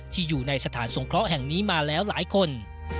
อยู่ในสถานสงเคราะห์แห่งนี้มาแล้วหลายคน